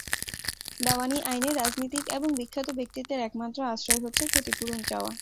দেওয়ানি আইনে রাজনীতিক এবং বিখ্যাত ব্যক্তিত্বের একমাত্র আশ্রয় হচ্ছে ক্ষতিপূরণ চাওয়া।